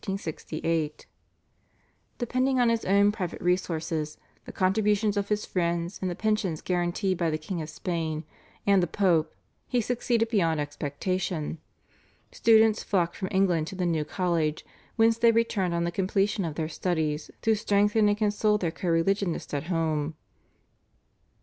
Depending on his own private resources, the contributions of his friends, and the pensions guaranteed by the King of Spain and the Pope, he succeeded beyond expectation. Students flocked from England to the new college, whence they returned on the completion of their studies to strengthen and console their co religionists at home.